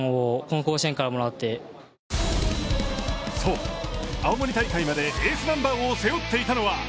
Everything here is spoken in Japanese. そう、青森大会までエースナンバーを背負っていたのは。